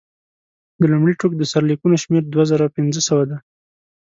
د لومړي ټوک د سرلیکونو شمېر دوه زره پنځه سوه دی.